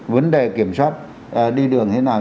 vấn đề kiểm soát đi đường thế nào